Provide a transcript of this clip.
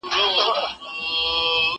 زما دي دلته په ځنگلونو کي غړومبی وي